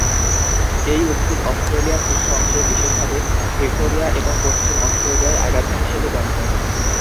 এই উদ্ভিদ অস্ট্রেলিয়ার কিছু অংশে, বিশেষভাবে ভিক্টোরিয়া এবং পশ্চিম অস্ট্রেলিয়ায় আগাছা হিসেবে গণ্য।